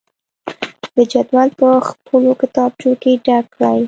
د جدول په خپلو کتابچو کې ډک کړئ.